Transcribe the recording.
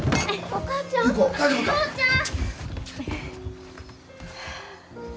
お母ちゃん。